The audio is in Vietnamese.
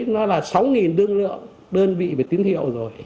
nó là sáu đơn vị tiến hiệu rồi